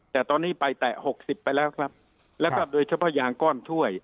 แต่ตอนนี้ไปแตะ๖๐ไปแล้วครับแล้วก็โดยเฉพาะยางก้อนถ้วย